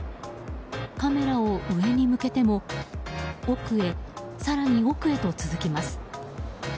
カメラを上に向けても奥へ、更に奥へと続きます。